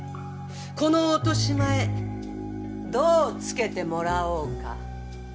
この落としまえどうつけてもらおうか。